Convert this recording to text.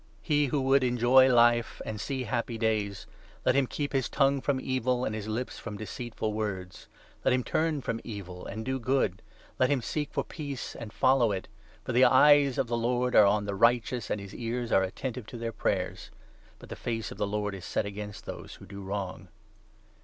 467 ' He who would enjoy life 10 And see happy days — Let him keep his tongue from evil And his lips from deceitful words, Let him turn from evil and do good, 1 1 Let him seek for peace and follow after it ; For the eyes of the Lord are on the righteous, 12 And his ears are attentive to their prayers, But the face of the Lord is set against those who do wrong.'